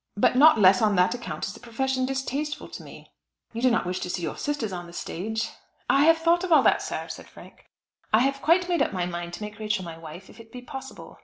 "But not less on that account is the profession distasteful to me. You do not wish to see your sisters on the stage?" "I have thought of all that, sir," said Frank, "I have quite made up my mind to make Rachel my wife, if it be possible."